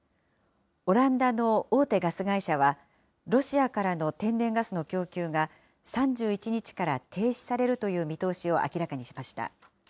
オランダの大手ガス会社は、ロシアからの天然ガスの供給が３１日から停止されるという見通しを明らかにしました。